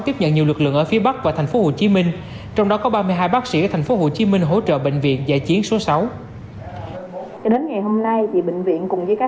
tiếp nhận nhiều lực lượng ở phía bắc và tp hcm trong đó có ba mươi hai bác sĩ ở tp hcm hỗ trợ bệnh viện giải chiến số sáu